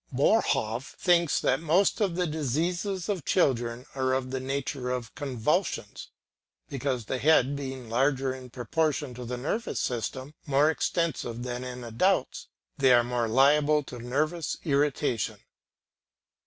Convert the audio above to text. Boerhaave thinks that most of the diseases of children are of the nature of convulsions, because the head being larger in proportion and the nervous system more extensive than in adults, they are more liable to nervous irritation.